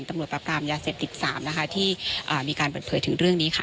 ตำรวจปรับปรามยาเสพติด๓นะคะที่มีการเปิดเผยถึงเรื่องนี้ค่ะ